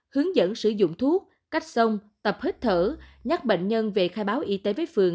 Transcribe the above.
hướng dẫn sử dụng thuốc cách sông tập hít thở nhắc bệnh nhân về khai báo y tế với phường